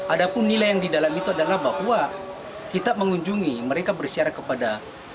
ada pun nilai yang di dalam itu adalah bahwa kita mengunjungi mereka bersyarat kepada